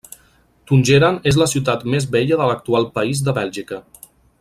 Tongeren és la ciutat més vella de l'actual país de Bèlgica.